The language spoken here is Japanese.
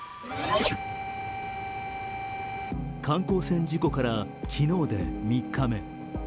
観光船事故から昨日で３日目。